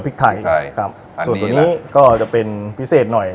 ปลอดภัยว่างอยู่ส่วนตัวนี้ก็จะเป็นพิเศษหน่อย